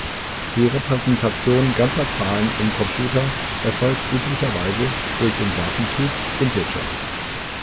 Die Repräsentation ganzer Zahlen im Computer erfolgt üblicherweise durch den Datentyp Integer.